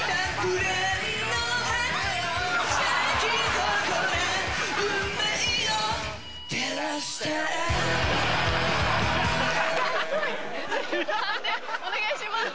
判定お願いします。